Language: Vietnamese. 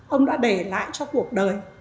ông đã để lại cho cuộc đời